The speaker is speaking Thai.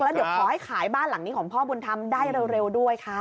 แล้วเดี๋ยวขอให้ขายบ้านหลังนี้ของพ่อบุญธรรมได้เร็วด้วยค่ะ